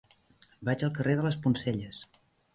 Vaig al carrer de les Poncelles.